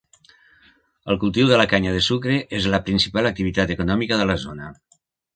El cultiu de la canya de sucre és la principal activitat econòmica de la zona.